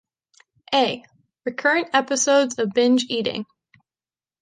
A. Recurrent episodes of binge eating.